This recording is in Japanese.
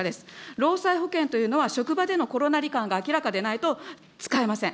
労災保険というのは職場でのコロナり患が明らかでないと使えません。